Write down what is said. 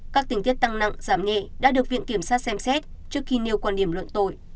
các tình tiết tăng nặng giảm nhẹ đã được viện kiểm sát xem xét trước khi nêu quan điểm luận tội